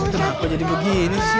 kenapa jadi begini sih